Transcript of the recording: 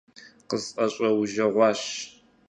– КъысӀэщӀэужэгъуащ…